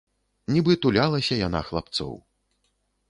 Нібы тулялася яна хлапцоў.